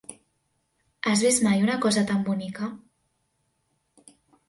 Has vist mai una cosa tan bonica?